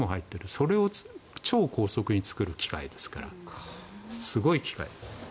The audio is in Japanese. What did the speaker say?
それを超高速に作る機械ですからすごい機械です。